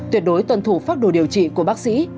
tuyệt đối tuân thủ phác đồ điều trị của bác sĩ